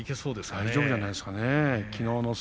大丈夫じゃないですかね。